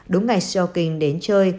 đúng ngày xiaoqing đến chơi